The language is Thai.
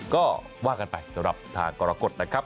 ก็ว่ากันไปสำหรับทางกรกฎนะครับ